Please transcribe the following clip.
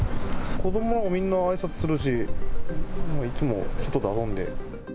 子どもはみんなあいさつするし、いつも外で遊んで。